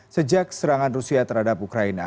sejak serangan rusia terhadap ukraina